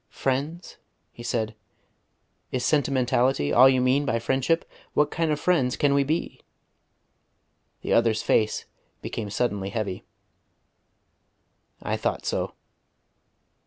"Friends?" he said. "Is sentimentality all you mean by friendship? What kind of friends can we be?" The other's face became suddenly heavy. "I thought so."